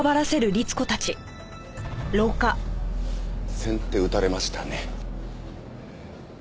先手打たれましたね。